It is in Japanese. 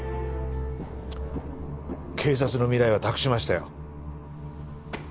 警察の未来は託しましたよ。